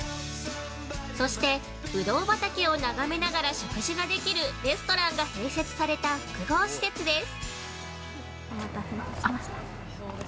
そしてぶどう畑を眺めながら食事が出来るレストランが併設された複合施設です◆